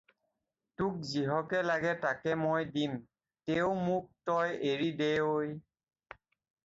"তোক যিহকে লাগে তাকে মই দিম, তেও মোক তই এৰি দে ঔ।"